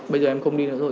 bây giờ em không đi nữa rồi